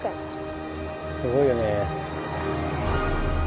すごいよね。